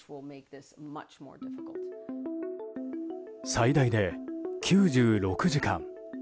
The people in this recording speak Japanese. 最大で９６時間。